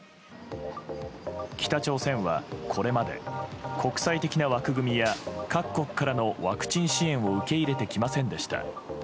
北朝鮮はこれまで国際的な枠組みや各国からのワクチン支援を受け入れてきませんでした。